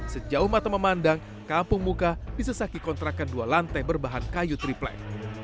sejauh mata memandang kampung muka disesaki kontrakan dua lantai berbahan kayu triplek